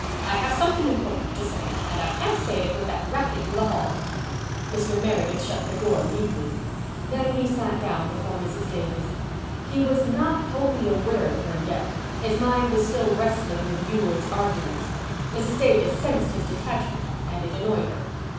"I have something important to say, and I can't say it with that racket in the hall." Mr. Meredith shut the door meekly. Then he sat down before Mrs. Davis. He was not wholly aware of her yet. His mind was still wrestling with Ewald's arguments. Mrs. Davis sensed this detachment and it annoyed her.